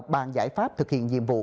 bàn giải pháp thực hiện nhiệm vụ